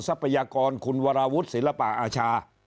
ทรัพยากรคุณวราวุฒิศิลปะอาชา